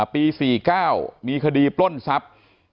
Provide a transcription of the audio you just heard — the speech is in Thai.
ปี๔๙มีคดีปล้นทรัพย์